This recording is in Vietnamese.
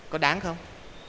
có đáng không